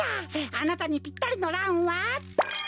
あなたにぴったりのランは。